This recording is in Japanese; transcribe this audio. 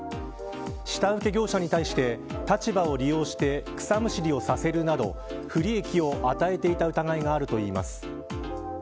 下請け業者に対して立場を利用して草むしりをさせるなど不利益を与えていた疑いがあるといいます。